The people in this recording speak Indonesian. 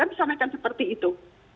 kami sampaikan seperti itu